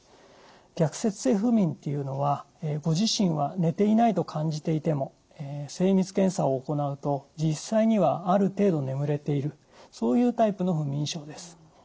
逆説性不眠というのはご自身は寝ていないと感じていても精密検査を行うと実際にはある程度眠れているそういうタイプの不眠症です。